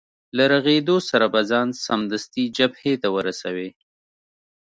له رغېدو سره به ځان سمدستي جبهې ته ورسوې.